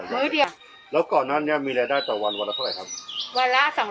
แล้วก่อนนั้นเนี่ยมีรายได้ต่อวันวันละเท่าไหร่ครับ